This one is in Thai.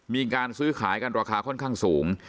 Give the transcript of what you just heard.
มีการซื้อขายกันราคาค่อนข้างสูง